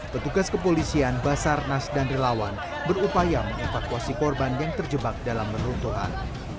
petugas kepolisian basarnas dan relawan berupaya mengevakuasi korban yang terjebak dalam peneruntuhan